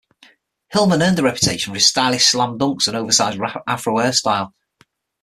Hillman earned a reputation for his stylish slam dunks and oversized afro hairstyle.